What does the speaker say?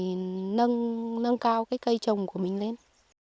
thì nâng cao cái cây trồng của mình lên